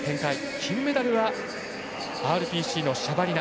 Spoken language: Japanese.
金メダルはＲＰＣのシャバリナ。